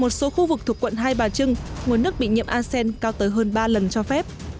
một số khu vực thuộc quận hai bà trưng nguồn nước bị nhiễm asean cao tới hơn ba lần cho phép